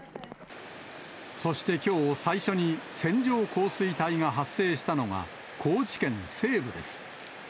そしてきょう、最初に線状降水帯が発生したのが、高知県西部です。